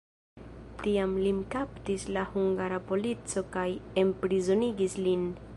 Tiam lin kaptis la hungara polico kaj enprizonigis lin.